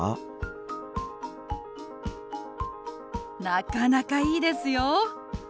なかなかいいですよ。